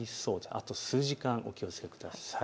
あと数時間お気をつけください。